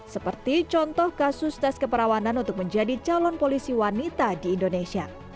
seperti contoh kasus tes keperawanan untuk menjadi calon polisi wanita di indonesia